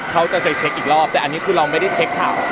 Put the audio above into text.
เขาจะไปเช็คอีกรอบแต่อันนี้คือเราไม่ได้เช็คข่าว